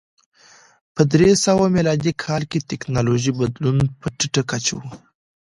په درې سوه میلادي کال کې ټکنالوژیکي بدلونونه په ټیټه کچه و.